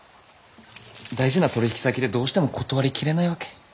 大事な取引先でどうしても断り切れないわけ。